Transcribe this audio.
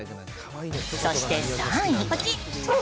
そして３位。